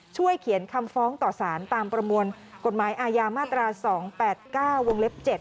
เขียนคำฟ้องต่อสารตามประมวลกฎหมายอาญามาตรา๒๘๙วงเล็บ๗